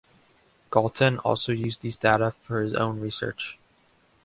Galton also used these data for his own research.